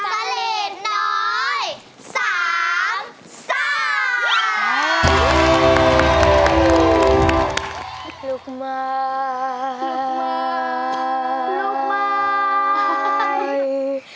ลูกไม้ลูกไม้ลูกไม้ลักษี